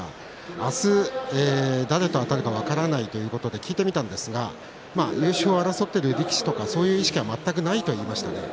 明日、誰とあたるか分からないということで聞いてみたんですが優勝を争っている力士とかそういう意識は全くないと言っていました。